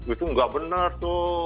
itu enggak bener tuh